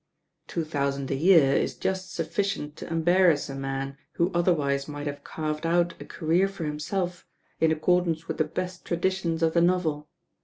"Two thousand a year is just sufficient to embar rass a man who otherwise might have carved out a career for himself, in accordance with the best tradi tions of the novel.